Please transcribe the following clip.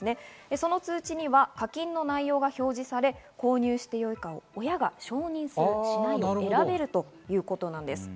その通知には課金の内容が表示され、購入していいか、親が承認する、しないを選べます。